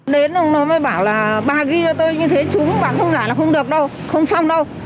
đến rồi nó mới bảo là bà ghi cho tôi như thế trúng bà không giả là không được đâu không xong đâu